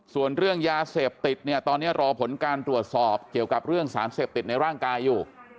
ส่วนเรื่องยาเสพติดเนี่ยตอนนี้รอผลการตรวจสอบเกี่ยวกับเรื่องสารเสพติดในร่างกายอยู่